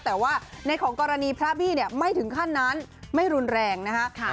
แต่ว่าในของกรณีพระบี้เนี่ยไม่ถึงขั้นนั้นไม่รุนแรงนะคะ